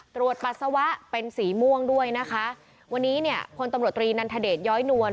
ปัสสาวะเป็นสีม่วงด้วยนะคะวันนี้เนี่ยพลตำรวจตรีนันทเดชย้อยนวล